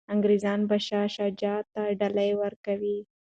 انګریزان به شاه شجاع ته ډالۍ ورکوي.